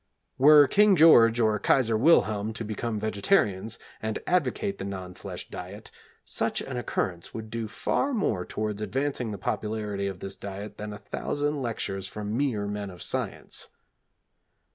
Were King George or Kaiser Wilhelm to become vegetarians and advocate the non flesh diet, such an occurrence would do far more towards advancing the popularity of this diet than a thousand lectures from "mere" men of science.